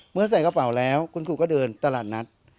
ใส่กระเป๋าแล้วคุณครูก็เดินตลาดนัด